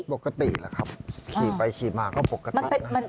ปกติแหละครับขี่ไปขี่มาก็ปกตินะ